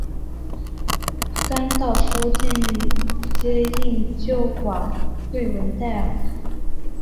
甘道夫建议接应救往瑞文戴尔。